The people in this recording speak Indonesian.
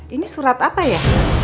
ini surat apa ya